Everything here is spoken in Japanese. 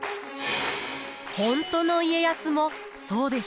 本当の家康もそうでした。